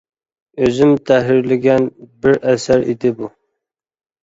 ئۆزۈم تەھرىرلىگەن بىر ئەسەر ئىدى بۇ.